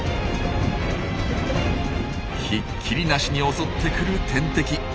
ひっきりなしに襲ってくる天敵。